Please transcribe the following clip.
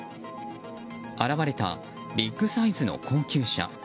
現れたビッグサイズの高級車。